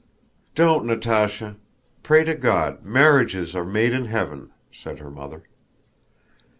"Don't, Natásha! Pray to God. 'Marriages are made in heaven,'" said her mother.